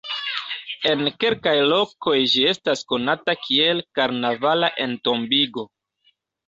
En kelkaj lokoj ĝi estas konata kiel "karnavala entombigo".